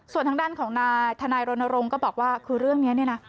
ส่วนทางด้านของทนารณรงค์ก็บอกว่าคือเรื่องนี้